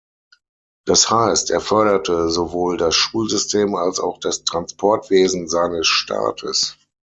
Das heißt: Er förderte sowohl das Schulsystem als auch das Transportwesen seines Staates.